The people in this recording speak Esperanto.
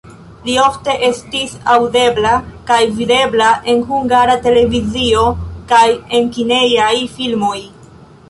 Li ofte estis aŭdebla kaj videbla en Hungara Televizio kaj en kinejaj filmoj.